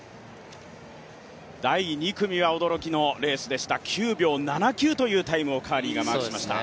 第２組は驚きのレースでした９秒７９というタイムをカーリーがマークしました。